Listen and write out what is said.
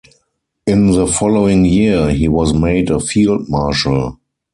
In the following year he was made a field-marshal.